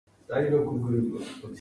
長野県小川村